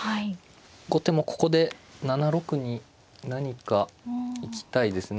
後手もここで７六に何か行きたいですね。